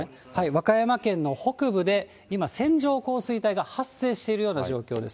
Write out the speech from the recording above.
和歌山県の北部で、今、線状降水帯が発生しているような状況です。